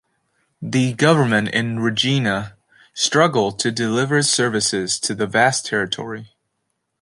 The government in Regina struggled to deliver services to the vast territory.